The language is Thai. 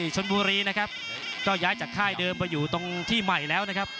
ชนบุรีนะครับก็ย้ายจากค่ายเดิมไปอยู่ตรงที่ใหม่แล้วนะครับ